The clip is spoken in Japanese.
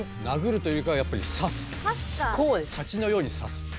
なぐるというかやっぱりさす。